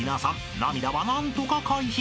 涙は何とか回避］